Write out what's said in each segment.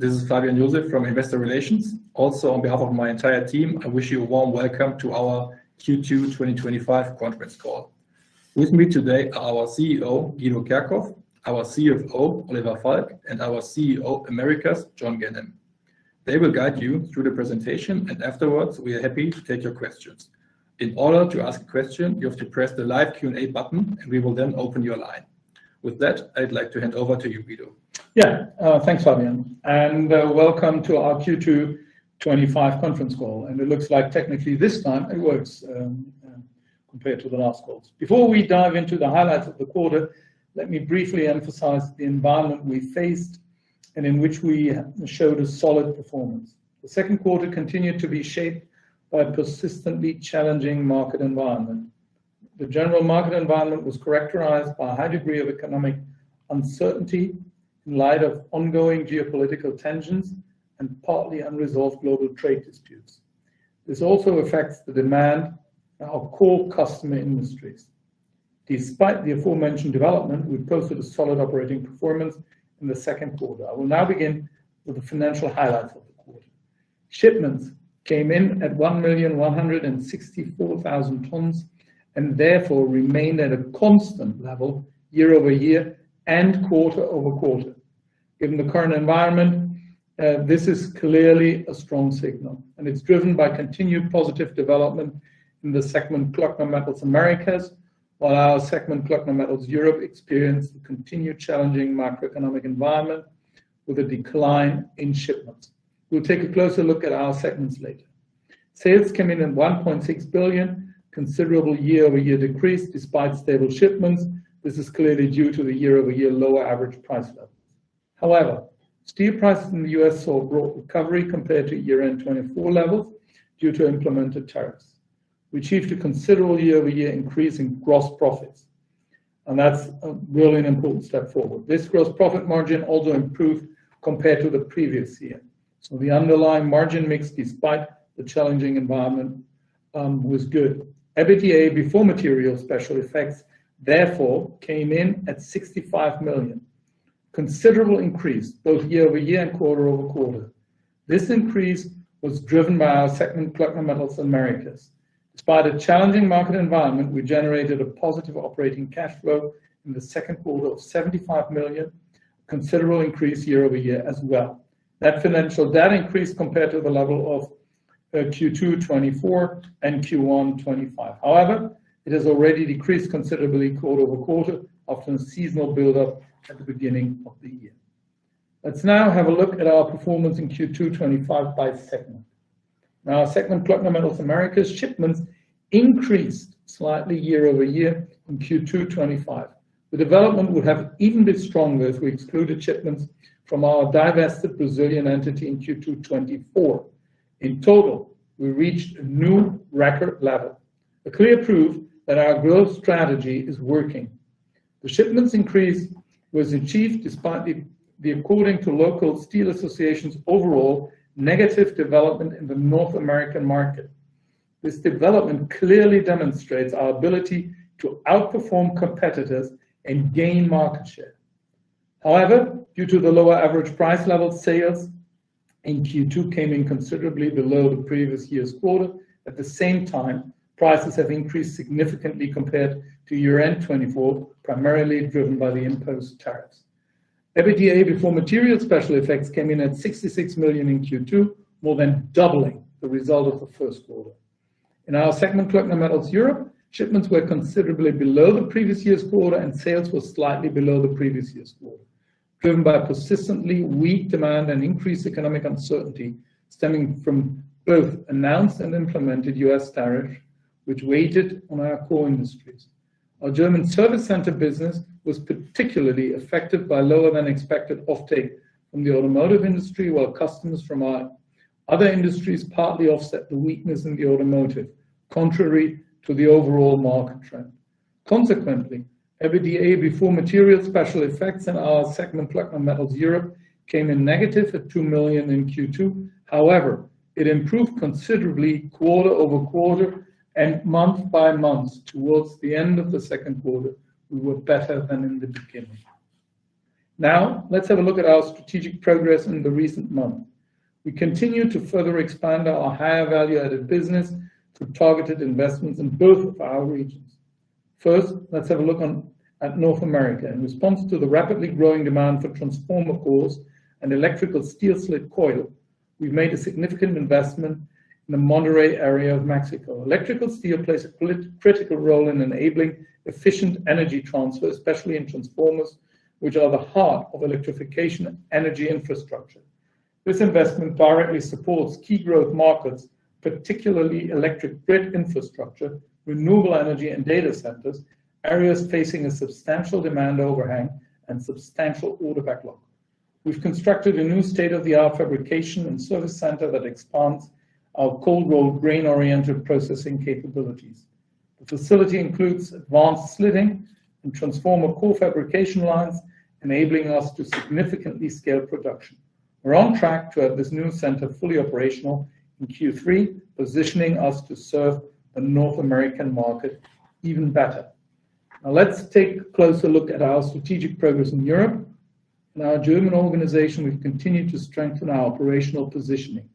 This is Fabian Joseph from Investor Relations. Also, on behalf of my entire team, I wish you a warm welcome to our Q2 2025 Conference Call. With me today are our CEO, Guido Kerkhoff, our CFO, Oliver Falk, and our CEO Americas, John Ganem. They will guide you through the presentation, and afterwards, we are happy to take your questions. In order to ask questions, you have to press the live Q&A button, and we will then open your line. With that, I'd like to hand over to you, Guido. Yeah, thanks, Fabian, and welcome to our Q2 2025 Conference Call. It looks like technically this time it works compared to the last calls. Before we dive into the highlights of the quarter, let me briefly emphasize the environment we faced and in which we showed a solid performance. The second quarter continued to be shaped by a persistently challenging market environment. The general market environment was characterized by a high degree of economic uncertainty in light of ongoing geopolitical tensions and partly unresolved global trade disputes. This also affects the demand of core customer industries. Despite the aforementioned development, we posted a solid operating performance in the second quarter. I will now begin with the financial highlights of the quarter. Shipments came in at 1,164,000 tons and therefore remained at a constant level year-over-year and quarter-over-quarter. In the current environment, this is clearly a strong signal, and it's driven by continued positive development in the segment Klöckner Metals Americas, while our segment Klöckner Metals Europe experienced a continued challenging macroeconomic environment with a decline in shipments. We'll take a closer look at our segments later. Sales came in at 1.6 billion, a considerable year-over-year decrease despite stable shipments. This is clearly due to the year-over-year lower average price level. However, steel prices in the U.S. saw a recovery compared to year-end 2024 levels due to implemented tariffs. We achieved a considerable year-over-year increase in gross profits, and that's really an important step forward. This gross profit margin also improved compared to the previous year. The underlying margin mix, despite the challenging environment, was good. EBITDA before material special effects therefore came in at 65 million, a considerable increase both year-over-year and quarter-over-quarter. This increase was driven by our segment Klöckner Metals Americas. Despite a challenging market environment, we generated a positive operating cash flow in the second quarter of 75 million, a considerable increase year-over-year as well. That financial data increased compared to the level of Q2 2024 and Q1 2025. However, it has already decreased considerably quarter-over-quarter, after a seasonal build-up at the beginning of the year. Let's now have a look at our performance in Q2 2025 by segment. Now, our segment Klöckner Metals Americas shipments increased slightly year-over-year in Q2 2025. The development would have even been stronger if we excluded shipments from our divested Brazilian entity in Q2 2024. In total, we reached a new record level, a clear proof that our growth strategy is working. The shipments increase was achieved despite the, according to local steel associations, overall negative development in the North American market. This development clearly demonstrates our ability to outperform competitors and gain market share. However, due to the lower average price level, sales in Q2 came in considerably below the previous year's quarter. At the same time, prices have increased significantly compared to year-end 2024, primarily driven by the imposed tariffs. EBITDA before material special effects came in at 66 million in Q2, more than doubling the result of the first quarter. In our segment Klöckner Metals Europe, shipments were considerably below the previous year's quarter, and sales were slightly below the previous year's quarter, driven by persistently weak demand and increased economic uncertainty stemming from both announced and implemented U.S. tariffs, which weighed on our core industries. Our German service center business was particularly affected by lower than expected offtake from the automotive industry, while customers from our other industries partly offset the weakness in the automotive, contrary to the overall market trend. Consequently, EBITDA before material special effects in our segment Klöckner Metals Europe came in negative at 2 million in Q2. However, it improved considerably quarter-over-quarter and month-by-month towards the end of the second quarter. We were better than in the beginning. Now, let's have a look at our strategic progress in the recent months. We continue to further expand our higher value-added business through targeted investments in both of our regions. First, let's have a look at North America. In response to the rapidly growing demand for transformer cores and electrical steel slit coils, we've made a significant investment in the Monterrey area of Mexico. Electrical steel plays a critical role in enabling efficient energy transfer, especially in transformers, which are the heart of electrification energy infrastructure. This investment directly supports key growth markets, particularly electric grid infrastructure, renewable energy, and data centers, areas facing a substantial demand overhang and substantial order backlog. We've constructed a new state-of-the-art fabrication and service center that expands our cold-rolled grain-oriented processing capabilities. The facility includes advanced slitting and transformer core fabrication lines, enabling us to significantly scale production. We're on track to have this new center fully operational in Q3, positioning us to serve the North American market even better. Now, let's take a closer look at our strategic progress in Europe. In our German organization, we've continued to strengthen our operational positioning.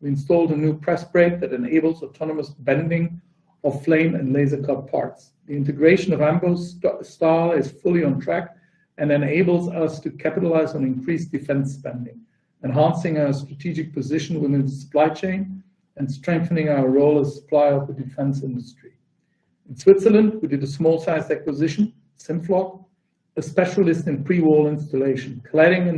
We installed a new press print that enables autonomous bending of flame and laser cut parts. The integration of Ambo Stahl is fully on track and enables us to capitalize on increased defense spending, enhancing our strategic position within the supply chain and strengthening our role as a supplier of the defense industry. In Switzerland, we did a small-sized acquisition, Simfloc, a specialist in pre-wall installation, cladding,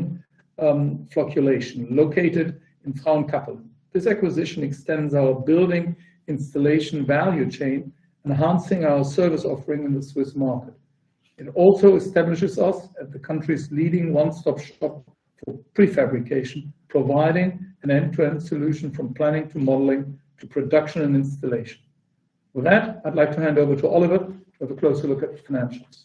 and flocculation located in Frauenkappelen. This acquisition extends our building installation value chain, enhancing our service offering in the Swiss market. It also establishes us as the country's leading one-stop shop for prefabrication, providing an end-to-end solution from planning to modeling to production and installation. With that, I'd like to hand over to Oliver to have a closer look at the financials.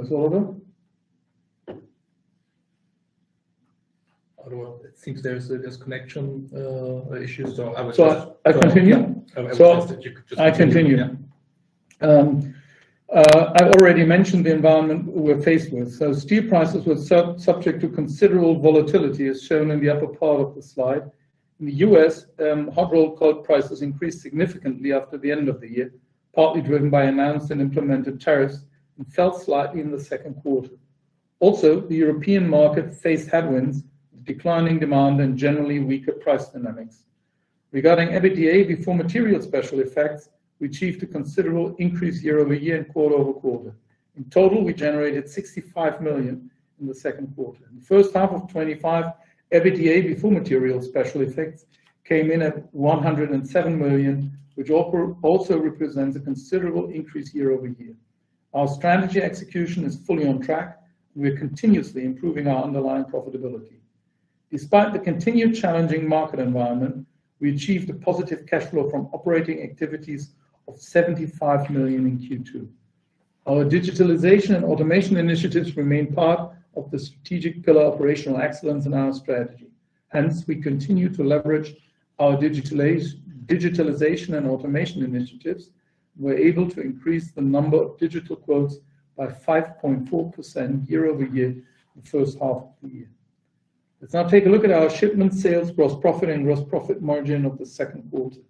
Was it all good? It seems there's connection issues. Should I continue? I continue, yeah. I already mentioned the environment we're faced with. Steel prices were subject to considerable volatility, as shown in the upper part of the slide. In the U.S., hot rolled coil prices increased significantly after the end of the year, partly driven by announced and implemented tariffs, and fell slightly in the second quarter. Also, the European market faced headwinds, declining demand, and generally weaker price dynamics. Regarding EBITDA before material special effects, we achieved a considerable increase year-over-year and quarter-over-quarter. In total, we generated 65 million in the second quarter. In the first half of 2025, EBITDA before material special effects came in at 107 million, which also represents a considerable increase year-over-year. Our strategy execution is fully on track, and we're continuously improving our underlying profitability. Despite the continued challenging market environment, we achieved a positive cash flow from operating activities of 75 million in Q2. Our digitalization and automation initiatives remain part of the strategic pillar operational excellence in our strategy. Hence, we continue to leverage our digitalization and automation initiatives. We're able to increase the number of digital quotes by 5.4% year-over-year in the first half of the year. Let's now take a look at our shipment sales, gross profit, and gross profit margin of the second quarter.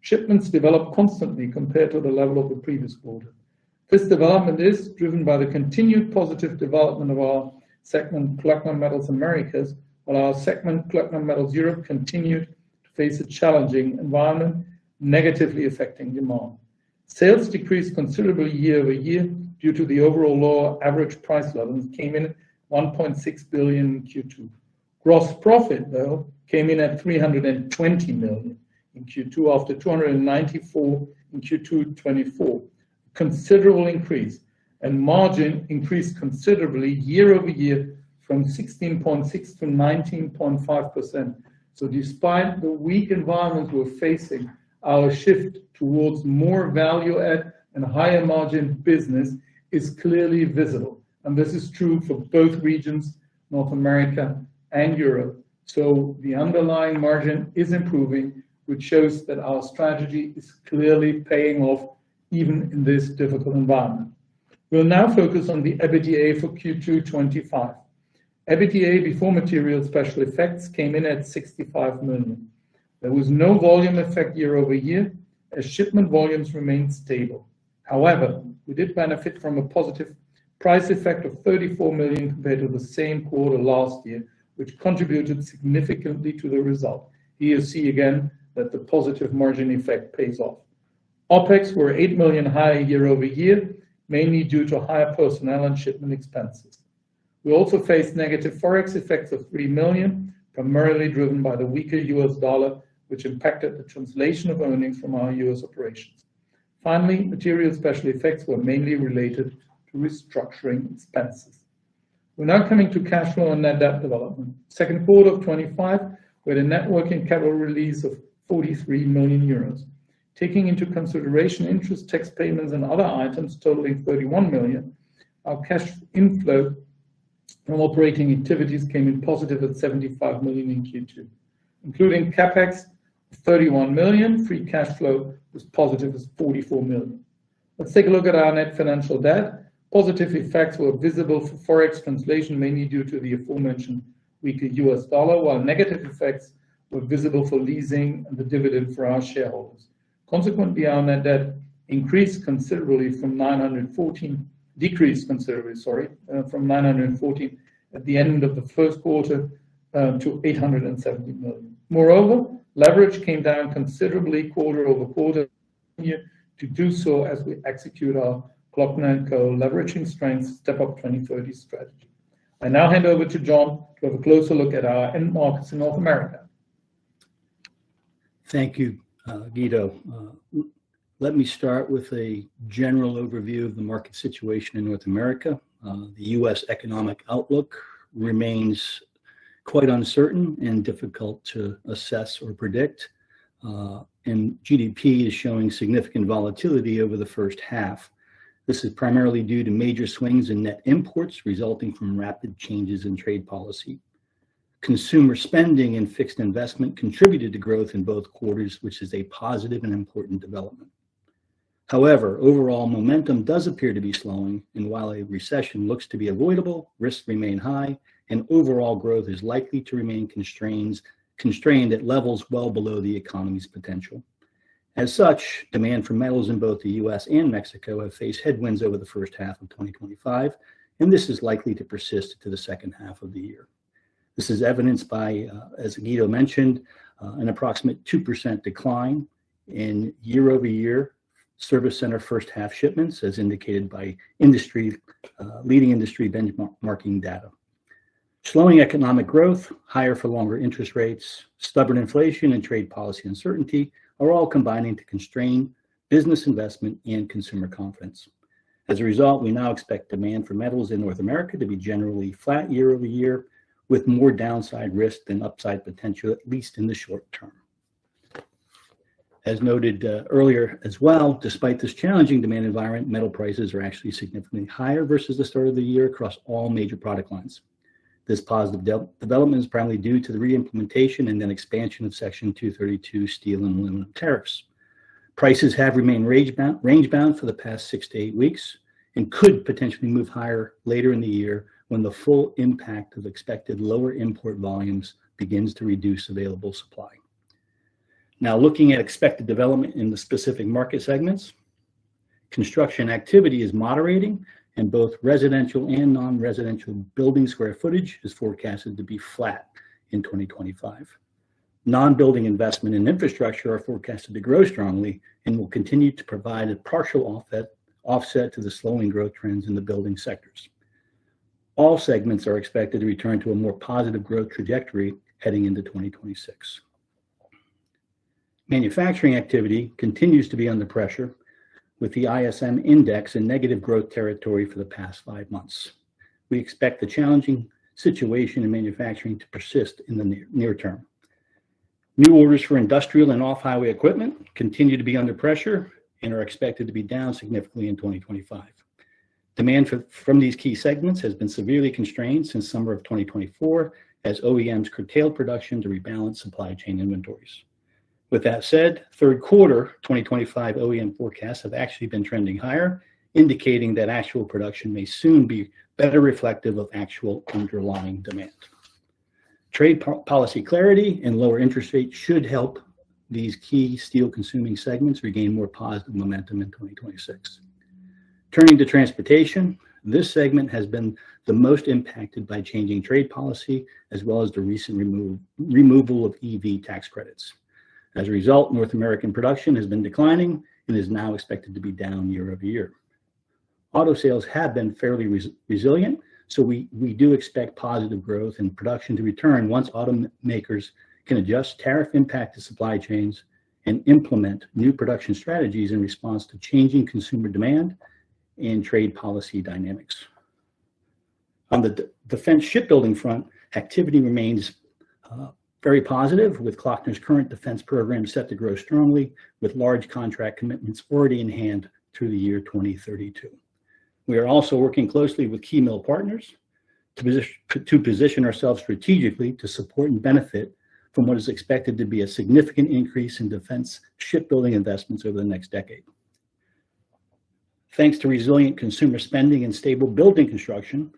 Shipments developed constantly compared to the level of the previous quarter. This development is driven by the continued positive development of our segment Klöckner Metals Americas, while our segment Klöckner Metals Europe continued to face a challenging environment, negatively affecting demand. Sales decreased considerably year-over-year due to the overall lower average price levels and came in at 1.6 billion in Q2. Gross profit, though, came in at 320 million in Q2 after 294 million in Q2 2024. Considerable increase, and margin increased considerably year-over-year from 16.6%-19.5%. Despite the weak environment we're facing, our shift towards more value-add and higher margin business is clearly visible, and this is true for both regions, North America and Europe. The underlying margin is improving, which shows that our strategy is clearly paying off even in this difficult environment. We'll now focus on the EBITDA for Q2 2025. EBITDA before material special effects came in at 65 million. There was no volume effect year-over-year, as shipment volumes remained stable. However, we did benefit from a positive price effect of 34 million compared to the same quarter last year, which contributed significantly to the result. Here you see again that the positive margin effect pays off. OpEx were 8 million higher year-over-year, mainly due to higher personnel and shipment expenses. We also faced negative Forex effects of 3 million, primarily driven by the weaker U.S. dollar, which impacted the translation of earnings from our U.S. operations. Finally, material special effects were mainly related to restructuring expenses. We're now coming to cash flow and net debt development. In the second quarter of 2025, we had a net working capital release of 43 million euros. Taking into consideration interest, tax payments, and other items totaling 31 million, our cash inflow from operating activities came in positive at 75 million in Q2. Including CapEx of 31 million, free cash flow was positive at 44 million. Let's take a look at our net financial debt. Positive effects were visible for Forex translation, mainly due to the aforementioned weaker U.S. dollar, while negative effects were visible for leasing and the dividend for our shareholders. Consequently, our net debt increased considerably from 914 million at the end of the first quarter to 870 million. Moreover, leverage came down considerably quarter-over-quarter. We're here to do so as we execute our Klöckner & Co leveraging strengths to step up 2030 strategy. I now hand over to John to have a closer look at our end markets in North America. Thank you, Guido. Let me start with a general overview of the market situation in North America. The U.S. economic outlook remains quite uncertain and difficult to assess or predict, and GDP is showing significant volatility over the first half. This is primarily due to major swings in net imports resulting from rapid changes in trade policy. Consumer spending and fixed investment contributed to growth in both quarters, which is a positive and important development. However, overall momentum does appear to be slowing, and while a recession looks to be avoidable, risks remain high, and overall growth is likely to remain constrained at levels well below the economy's potential. As such, demand for metals in both the U.S. and Mexico have faced headwinds over the first half of 2025, and this is likely to persist through the second half of the year. This is evidenced by, as Guido mentioned, an approximate 2% decline in year-over-year service center first-half shipments, as indicated by leading industry benchmarking data. Slowing economic growth, higher for longer interest rates, stubborn inflation, and trade policy uncertainty are all combining to constrain business investment and consumer confidence. As a result, we now expect demand for metals in North America to be generally flat year-over-year, with more downside risk than upside potential, at least in the short term. As noted earlier as well, despite this challenging demand environment, metal prices are actually significantly higher versus the start of the year across all major product lines. This positive development is primarily due to the reimplementation and then expansion of Section 232 steel and aluminum tariffs. Prices have remained range-bound for the past six to eight weeks and could potentially move higher later in the year when the full impact of expected lower import volumes begins to reduce available supply. Now, looking at expected development in the specific market segments, construction activity is moderating, and both residential and non-residential building square footage is forecasted to be flat in 2025. Non-building investment in infrastructure is forecasted to grow strongly and will continue to provide a partial offset to the slowing growth trends in the building sectors. All segments are expected to return to a more positive growth trajectory heading into 2026. Manufacturing activity continues to be under pressure, with the ISM index in negative growth territory for the past five months. We expect the challenging situation in manufacturing to persist in the near term. New orders for industrial and off-highway equipment continue to be under pressure and are expected to be down significantly in 2025. Demand from these key segments has been severely constrained since the summer of 2024, as OEMs curtailed production to rebalance supply chain inventories. With that said, third quarter 2025 OEM forecasts have actually been trending higher, indicating that actual production may soon be better reflective of actual underlying demand. Trade policy clarity and lower interest rates should help these key steel-consuming segments regain more positive momentum in 2026. Turning to transportation, this segment has been the most impacted by changing trade policy, as well as the recent removal of EV tax credits. As a result, North American production has been declining and is now expected to be down year-over-year. Auto sales have been fairly resilient, so we do expect positive growth in production to return once auto makers can adjust tariff impact to supply chains and implement new production strategies in response to changing consumer demand and trade policy dynamics. On the defense shipbuilding front, activity remains very positive, with Klöckner's current defense program set to grow strongly, with large contract commitments already in hand through the year 2032. We are also working closely with key mill partners to position ourselves strategically to support and benefit from what is expected to be a significant increase in defense shipbuilding investments over the next decade. Thanks to resilient consumer spending and stable building construction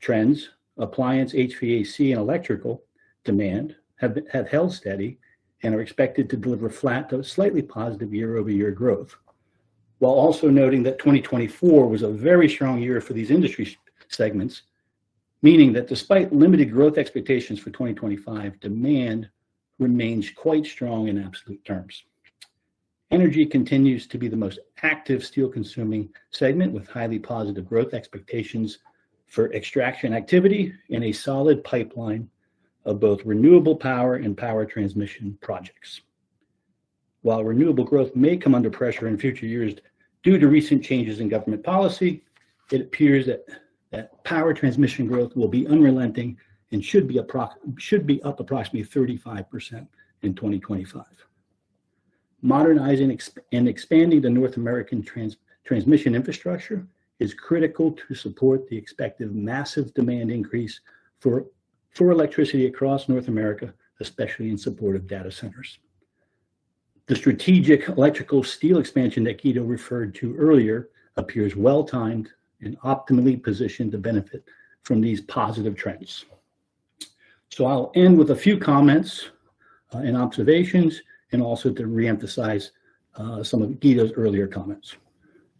trends, appliance, HVAC, and electrical demand have held steady and are expected to deliver flat to slightly positive year-over-year growth, while also noting that 2024 was a very strong year for these industry segments, meaning that despite limited growth expectations for 2025, demand remains quite strong in absolute terms. Energy continues to be the most active steel-consuming segment, with highly positive growth expectations for extraction activity and a solid pipeline of both renewable power and power transmission projects. While renewable growth may come under pressure in future years due to recent changes in government policy, it appears that power transmission growth will be unrelenting and should be up approximately 35% in 2025. Modernizing and expanding the North American transmission infrastructure is critical to support the expected massive demand increase for electricity across North America, especially in support of data centers. The strategic electrical steel expansion that Guido referred to earlier appears well-timed and optimally positioned to benefit from these positive trends. I'll end with a few comments and observations, and also to reemphasize some of Guido's earlier comments.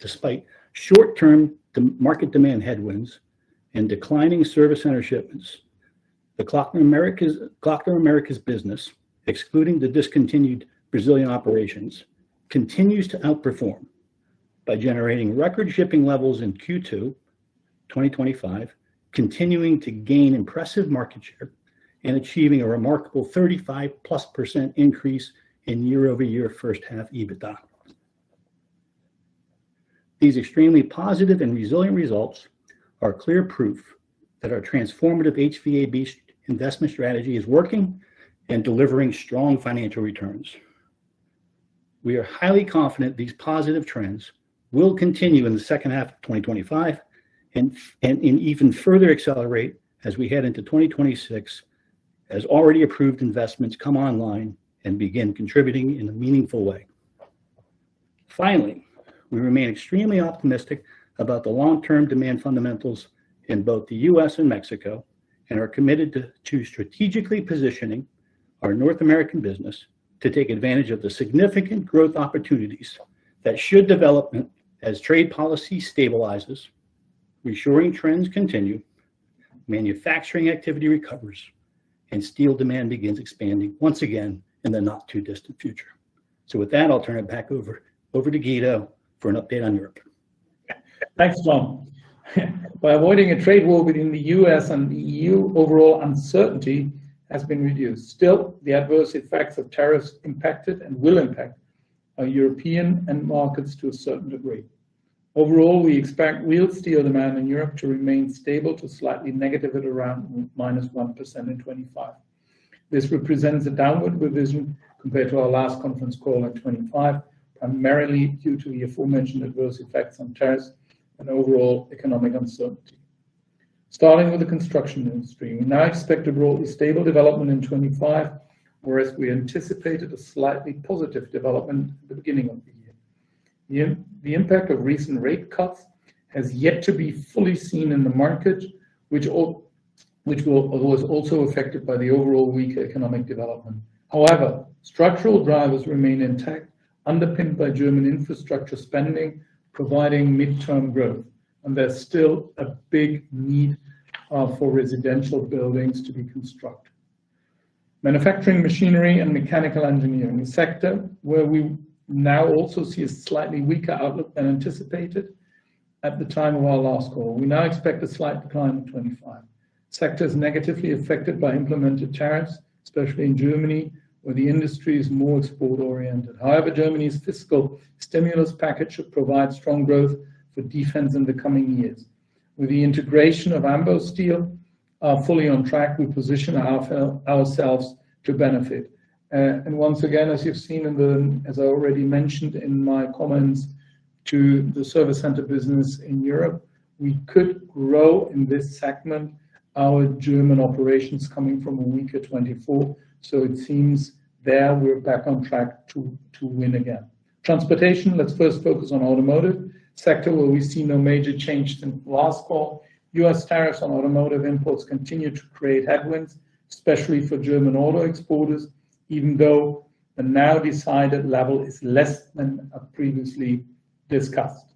Despite short-term market demand headwinds and declining service center shipments, the Klöckner Americas business, excluding the discontinued Brazilian operations, continues to outperform by generating record shipping levels in Q2 2025, continuing to gain impressive market share, and achieving a remarkable 35%+ increase in year-over-year first-half EBITDA. These extremely positive and resilient results are clear proof that our transformative HVAB investment strategy is working and delivering strong financial returns. We are highly confident these positive trends will continue in the second half of 2025 and even further accelerate as we head into 2026, as already approved investments come online and begin contributing in a meaningful way. Finally, we remain extremely optimistic about the long-term demand fundamentals in both the U.S. and Mexico and are committed to strategically positioning our North American business to take advantage of the significant growth opportunities that should develop as trade policy stabilizes, reshoring trends continue, manufacturing activity recovers, and steel demand begins expanding once again in the not-too-distant future. With that, I'll turn it back over to Guido for an update on Europe. Thanks, [Nem]. By avoiding a trade war between the U.S. and the EU, overall uncertainty has been reduced. Still, the adverse effects of tariffs impacted and will impact our European markets to a certain degree. Overall, we expect real steel demand in Europe to remain stable to slightly negative at around -1% in 2025. This represents a downward revision compared to our last conference call in 2025, primarily due to the aforementioned adverse effects of tariffs and overall economic uncertainty. Starting with the construction industry, we now expect a stable development in 2025, whereas we anticipated a slightly positive development at the beginning of the year. The impact of recent rate cuts has yet to be fully seen in the market, which was also affected by the overall weaker economic development. However, structural drivers remain intact, underpinned by German infrastructure spending providing midterm growth, and there's still a big need for residential buildings to be constructed. Manufacturing, machinery, and mechanical engineering is a sector where we now also see a slightly weaker outlook than anticipated at the time of our last call. We now expect a slight decline in 2025. Sectors negatively affected by implemented tariffs, especially in Germany, where the industry is more export-oriented. However, Germany's fiscal stimulus package should provide strong growth for defense in the coming years. With the integration of armor steel fully on track, we position ourselves to benefit. As you've seen and as I already mentioned in my comments to the service center business in Europe, we could grow in this segment, our German operations coming from a weaker 2024. It seems there we're back on track to win again. Transportation, let's first focus on the automotive sector, where we see no major change since last call. U.S. tariffs on automotive imports continue to create headwinds, especially for German auto exporters, even though the now decided level is less than previously discussed.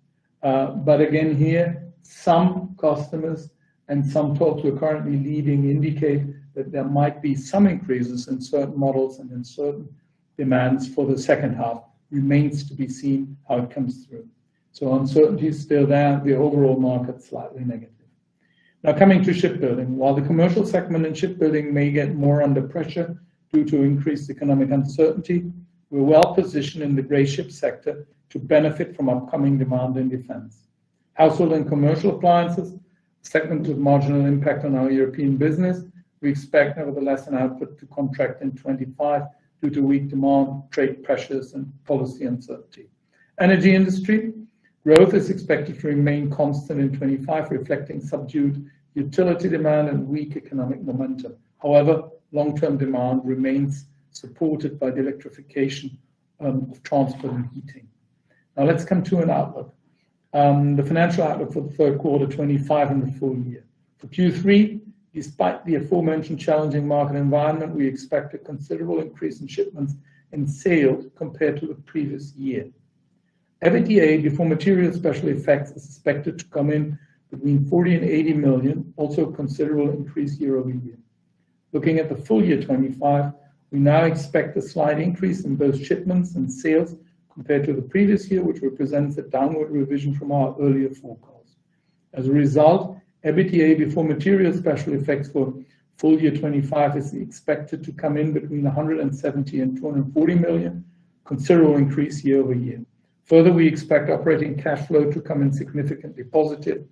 Some customers and some folks who are currently leading indicate that there might be some increases in certain models and in certain demands for the second half. It remains to be seen how it comes through. Uncertainty is still there, the overall market slightly negative. Now coming to shipbuilding, while the commercial segment in shipbuilding may get more under pressure due to increased economic uncertainty, we're well positioned in the gray ship sector to benefit from upcoming demand in defense. Household and commercial appliances, a segment with marginal impact on our European business, we expect nevertheless an output to contract in 2025 due to weak demand, trade pressures, and policy uncertainty. Energy industry, growth is expected to remain constant in 2025, reflecting subdued utility demand and weak economic momentum. However, long-term demand remains supported by the electrification of transport and heating. Now let's come to an outlook. The financial outlook for the third quarter 2025 and the full year. For Q3, despite the aforementioned challenging market environment, we expect a considerable increase in shipments in sales compared to the previous year. EBITDA before material special effects is expected to come in between 40 million and 80 million, also a considerable increase year-over-year. Looking at the full year 2025, we now expect a slight increase in both shipments and sales compared to the previous year, which represents a downward revision from our earlier forecast. As a result, EBITDA before material special effects for full year 2025 is expected to come in between 170 million and 240 million, a considerable increase year-over-year. Further, we expect operating cash flow to come in significantly positive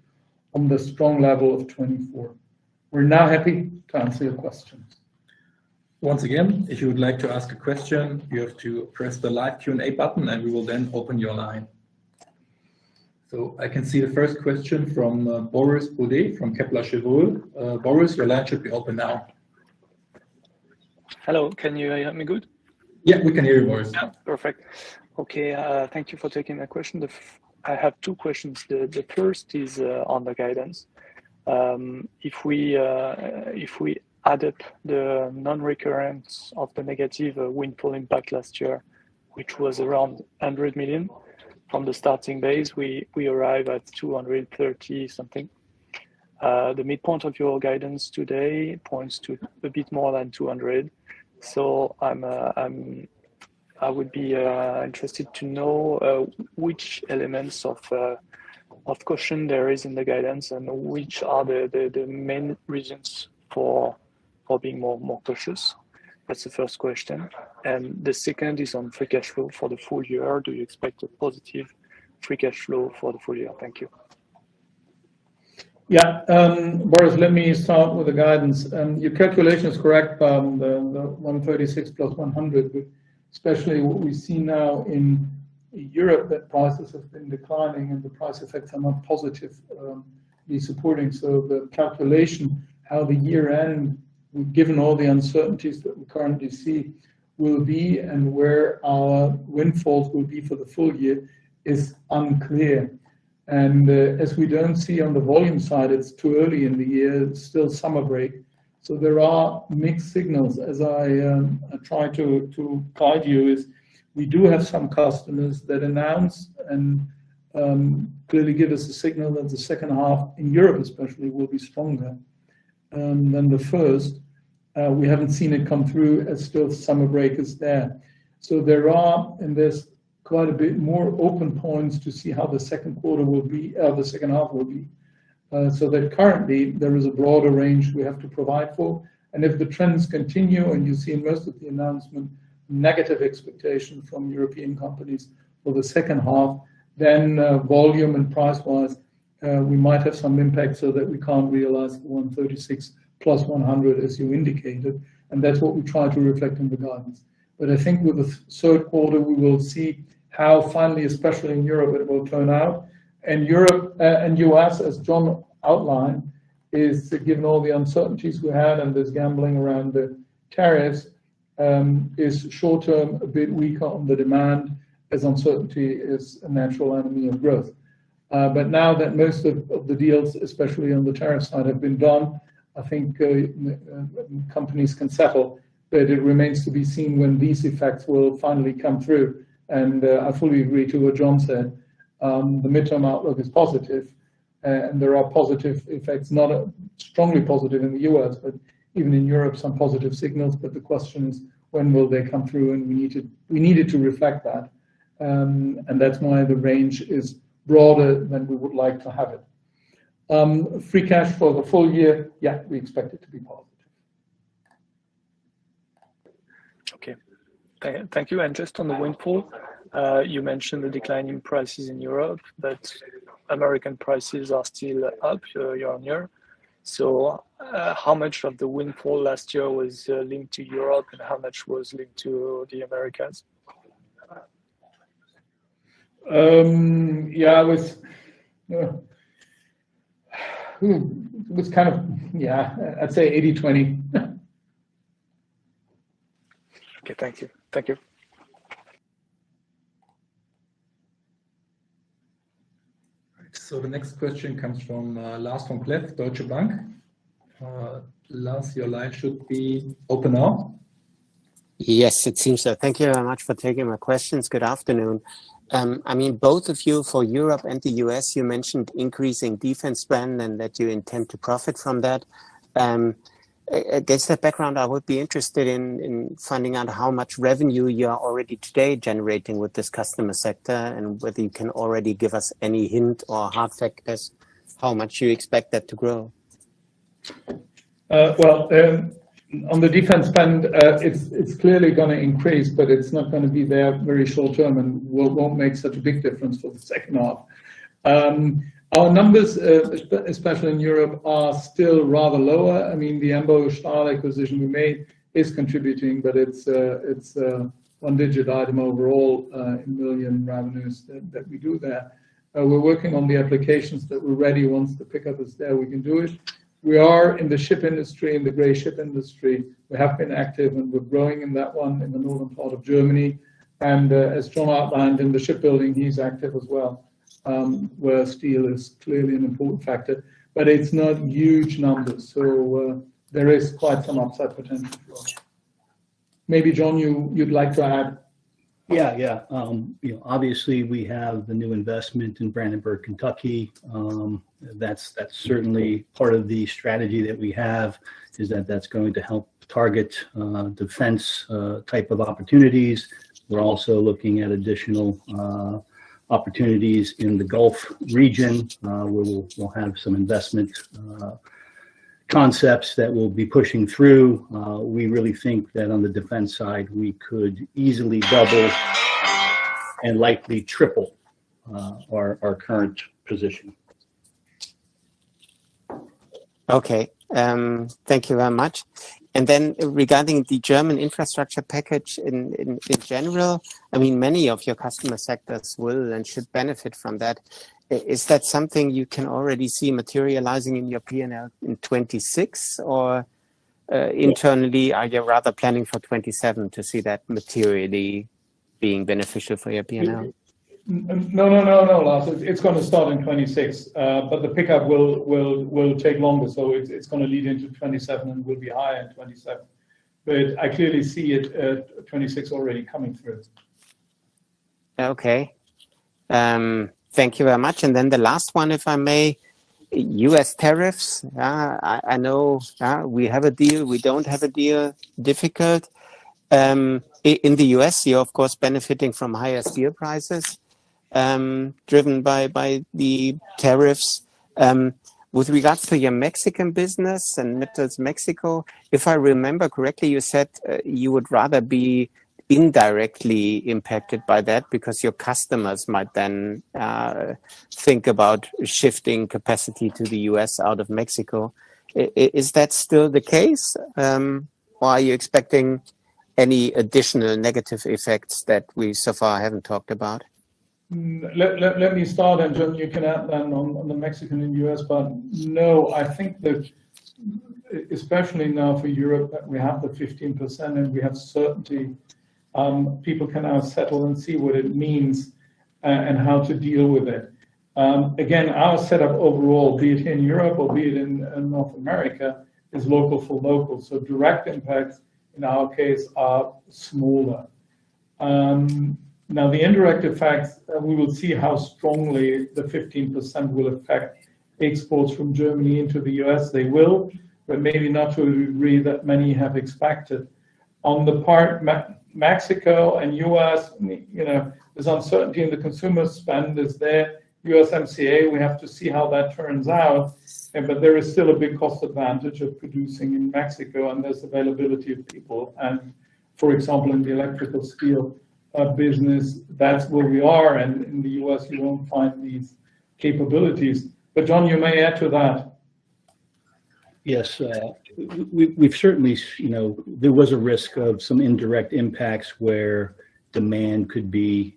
on the strong level of 2024. We're now happy to answer your questions. Once again, if you would like to ask a question, you have to press the live Q&A button, and we will then open your line. I can see the first question from Boris Bourdet from Kepler Cheuvreux. Boris, your line should be open now. Hello, can you hear me well? Yeah, we can hear you, Boris. Perfect. Okay, thank you for taking that question. I have two questions. The first is on the guidance. If we add up the non-recurrence of the negative windfall impact last year, which was around 100 million on the starting days, we arrive at 230 something. The midpoint of your guidance today points to a bit more than 200 million. I would be interested to know which elements of caution there are in the guidance and which are the main reasons for being more cautious? That's the first question. The second is on free cash flow for the full year. Do you expect a positive free cash flow for the full year? Thank you. Yeah. Boris, let me start with the guidance. Your calculation is correct, the 136 million + 100 million. Especially what we see now in Europe, that prices have been declining and the prices had some positive supporting. The calculation of the year-end, given all the uncertainties that we currently see, will be and where our windfalls will be for the full year is unclear. As we don't see on the volume side, it's too early in the year, still summer break. There are mixed signals. As I try to guide you, we do have some customers that announce and clearly give us a signal that the second half in Europe especially will be stronger than the first. We haven't seen it come through as the summer break is there. There are, in this, quite a bit more open points to see how the second quarter will be, the second half will be. That currently there is a broader range we have to provide for. If the trends continue and you see in most of the announcement negative expectations from European companies for the second half, then volume and price-wise we might have some impact so that we can't realize the 136 million + 100 million as you indicated. That's what we try to reflect in the guidance. I think with the third quarter we will see how finally, especially in Europe, it will turn out. Europe and the U.S., as John outlined, given all the uncertainties we had and this gambling around the tariffs, is short-term a bit weaker on the demand as uncertainty is a natural enemy of growth. Now that most of the deals, especially on the tariff side, have been done, I think companies can settle. It remains to be seen when these effects will finally come through. I fully agree to what John said. The midterm outlook is positive, and there are positive effects, not strongly positive in the U.S., but even in Europe some positive signals. The question is when will they come through, and we needed to reflect that. That's why the range is broader than we would like to have it. Free cash flow for the full year, yeah, we expect it to be positive. Okay. Thank you. Just on the windfall, you mentioned the decline in prices in Europe, but American prices are still up year-on-year. How much of the windfall last year was linked to Europe and how much was linked to the Americas? Yeah, I'd say 80-20. Okay, thank you. All right. The next question comes from Lars Vom Kleff, Deutsche Bank. Lars, your line should be open now. Yes, it seems so. Thank you very much for taking my questions. Good afternoon. I mean, both of you, for Europe and the U.S., you mentioned increasing defense spend and that you intend to profit from that. I guess the background I would be interested in is finding out how much revenue you are already today generating with this customer sector and whether you can already give us any hint or half-heck as to how much you expect that to grow? On the defense spend, it's clearly going to increase, but it's not going to be there very short term and won't make such a big difference for the second half. Our numbers, especially in Europe, are still rather lower. I mean, the Ambo Stahl acquisition we made is contributing, but it's a one-digit item overall in million revenues that we do there. We're working on the applications that we're ready. Once the pickup is there, we can do it. We are in the ship industry, in the gray ship industry. We have been active and we're growing in that one in the northern part of Germany. As John outlined, in the shipbuilding, he's active as well, where steel is clearly an important factor. It's not huge numbers, so there is quite some upside potential for us. Maybe John, you'd like to add? Yeah, you know, obviously we have the new investment in Brandenburg, Kentucky. That's certainly part of the strategy that we have, is that that's going to help target defense type of opportunities. We're also looking at additional opportunities in the Gulf region where we'll have some investment concepts that we'll be pushing through. We really think that on the defense side, we could easily double and likely triple our current position. Thank you very much. Regarding the German infrastructure package in general, many of your customer sectors will and should benefit from that. Is that something you can already see materializing in your P&L in 2026, or internally are you rather planning for 2027 to see that materially being beneficial for your P&L? No, Lars, it's going to start in 2026, but the pickup will take longer, so it's going to lead into 2027 and will be higher in 2027. I clearly see it at 2026 already coming through. Okay, thank you very much. The last one, if I may, U.S. tariffs. I know we have a deal, we don't have a deal, difficult. In the U.S., you're of course benefiting from higher steel prices, driven by the tariffs. With regards to your Mexican business and metals Mexico, if I remember correctly, you said you would rather be indirectly impacted by that because your customers might then think about shifting capacity to the U.S. out of Mexico. Is that still the case, or are you expecting any additional negative effects that we so far haven't talked about? Let me start until you can add that on the Mexican and U.S. part. No, I think that especially now for Europe that we have the 15% and we have certainty, people can now settle and see what it means and how to deal with it. Again, our setup overall, be it in Europe or be it in North America, is local for local. So direct impacts in our case are smaller. Now the indirect effects, we will see how strongly the 15% will affect exports from Germany into the U.S. They will, but maybe not to the degree that many have expected. On the part of Mexico and U.S., you know, there's uncertainty in the consumer spend. It's there. USMCA, we have to see how that turns out. There is still a big cost advantage of producing in Mexico and there's availability of people. For example, in the electrical steel business, that's where we are. In the U.S., you won't find these capabilities. John, you may add to that. Yes, we've certainly, you know, there was a risk of some indirect impacts where demand could be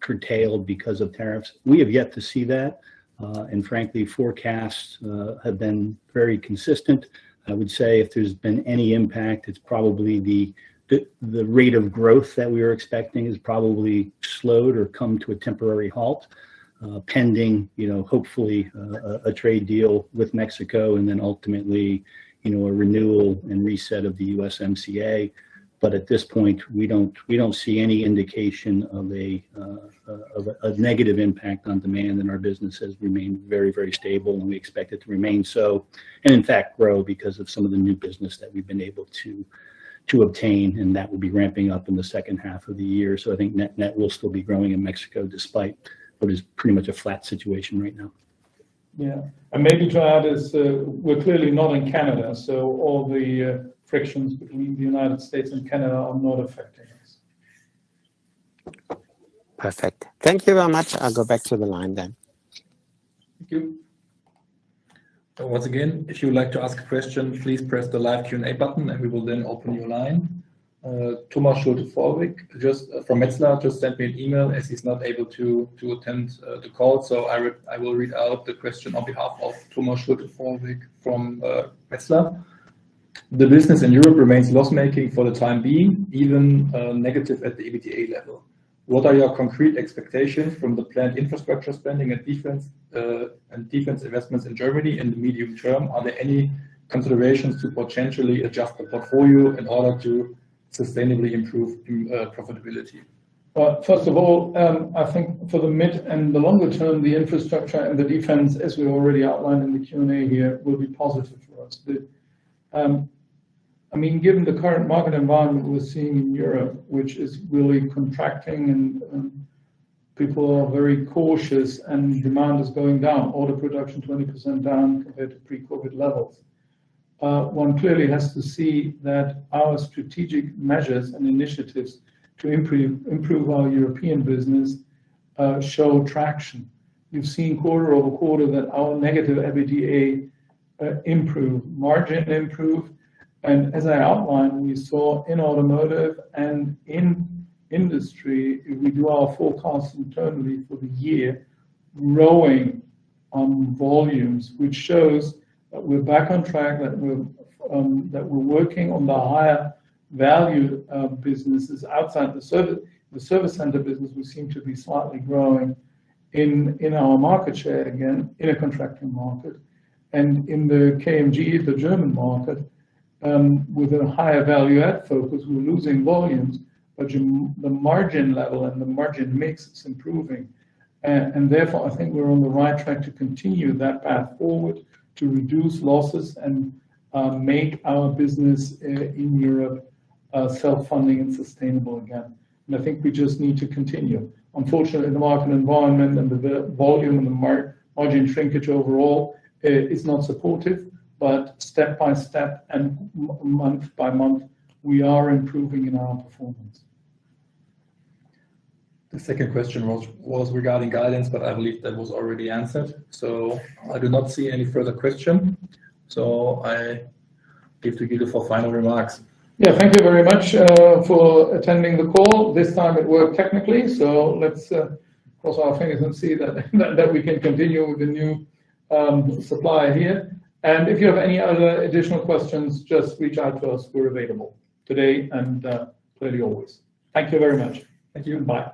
curtailed because of tariffs. We have yet to see that. Frankly, forecasts have been very consistent. I would say if there's been any impact, it's probably the rate of growth that we were expecting has probably slowed or come to a temporary halt, pending, you know, hopefully a trade deal with Mexico and then ultimately, you know, a renewal and reset of the USMCA. At this point, we don't see any indication of a negative impact on demand and our business has remained very, very stable and we expect it to remain so. In fact, grow because of some of the new business that we've been able to obtain. That will be ramping up in the second half of the year. I think net net will still be growing in Mexico despite what is pretty much a flat situation right now. Maybe try out as we're clearly not in Canada. All the frictions between the United States and Canada are not affecting us. Perfect. Thank you very much. I'll go back to the line then. Once again, if you would like to ask a question, please press the live Q&A button and we will then open your line. Thomas Schulte-Vorwick from Metzler just sent me an email as he's not able to attend the call. I will read out the question on behalf of Thomas Schulte-Vorwick from Metzler. The business in Europe remains loss-making for the time being, even negative at the EBITDA level. What are your concrete expectations from the planned infrastructure spending and defense investments in Germany in the medium term? Are there any considerations to potentially adjust the portfolio in order to sustainably improve profitability? First of all, I think for the mid and the longer term, the infrastructure and the defense, as we already outlined in the Q&A here, will be positive for us. I mean, given the current market environment we're seeing in Europe, which is really contracting and people are very cautious and demand is going down, order production 20% down compared to pre-COVID levels. One clearly has to see that our strategic measures and initiatives to improve our European business show traction. You've seen quarter-over-quarter that our negative EBITDA improve, margin improve. As I outlined, we saw in automotive and in industry, we do our forecasts internally for the year growing on volumes, which shows that we're back on track, that we're working on the higher value businesses outside the service center business, which seem to be slightly growing in our market share again in a contracting market. In the KMG, the German market, with a higher value-add focus, we're losing volumes, but the margin level and the margin mix is improving. Therefore, I think we're on the right track to continue that path forward to reduce losses and make our business in Europe self-funding and sustainable again. I think we just need to continue. Unfortunately, the market environment and the volume and the margin shrinkage overall is not supportive, but step-by-step and month-by-month, we are improving in our performance. The second question was regarding guidance, but I believe that was already answered. I do not see any further questions. I leave it to you for final remarks. Thank you very much for attending the call. This time it worked technically, so let's cross our fingers and see that we can continue with the new supplier here. If you have any other additional questions, just reach out to us. We're available today and early always. Thank you very much. Thank you. Bye.